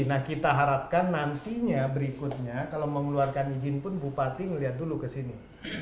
nah kita harapkan nantinya berikutnya kalau mengeluarkan izin pun bupati ngelihat dulu ke sini